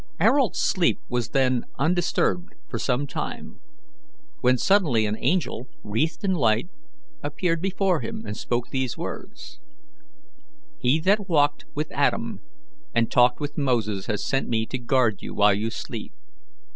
Ayrault's sleep was then undisturbed for some time, when suddenly an angel, wreathed in light, appeared before him and spoke these words: "He that walked with Adam and talked with Moses has sent me to guard you while you sleep.